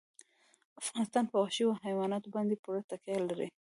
افغانستان په وحشي حیواناتو باندې پوره تکیه لري.